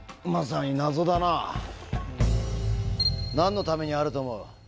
まさに謎だなあ何のためにあると思う？